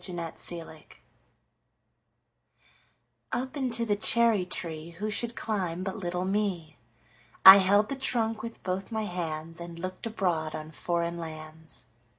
Foreign Lands UP into the cherry treeWho should climb but little me?I held the trunk with both my handsAnd looked abroad on foreign lands.